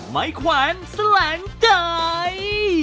ไม้ขวัญแสลงจ่าย